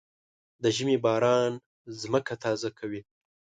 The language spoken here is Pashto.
د ژمي باران ځمکه تازه کوي.